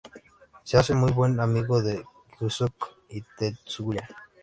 Se hace muy buen amigo de Keisuke y Tetsuya.